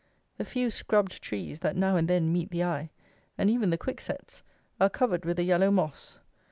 The few scrubbed trees that now and then meet the eye, and even the quick sets, are covered with a yellow moss.